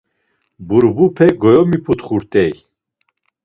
Burbupe goyomiputxurt̆ey.